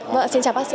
vâng xin chào bác sĩ